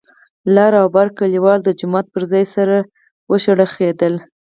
لر او بر کليوال د جومات پر ځای سره وشخړېدل.